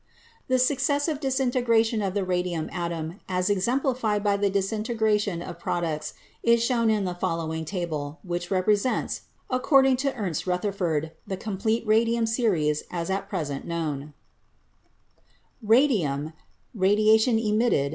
The successive disintegration of the radium atom as exemplified by the disintegration products is shown in the following table, which represents, according to Ernest 262 CHEMISTRY Rutherford, the complete radium series as at present known : Element. Radium 4 Radiation ' emitted.